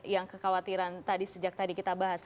yang kekhawatiran tadi sejak tadi kita bahas